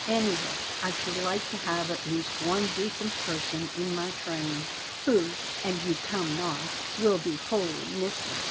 Anyway, I should like to have at least one decent person in my train, who, an you come not, will be wholly missing.